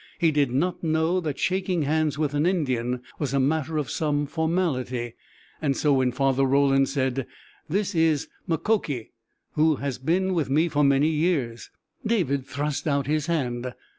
He did not know that shaking hands with an Indian was a matter of some formality, and so when Father Roland said, "This is Mukoki, who has been with me for many years," David thrust out his hand.